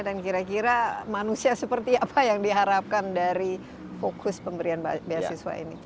dan kira kira manusia seperti apa yang diharapkan dari fokus pemberian beasiswa ini